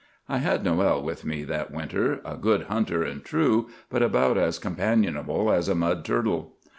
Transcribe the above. "I had Noël with me that winter,—a good hunter and true, but about as companionable as a mud turtle.